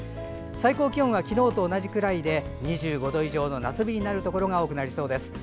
最高気温は昨日と同じくらいで２５度以上の夏日になるところが多くなりそうです。